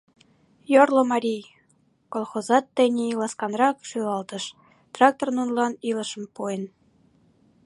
«Йорло марий» колхозат тений ласканрак шӱлалтыш: трактор нунылан илышым пуэн.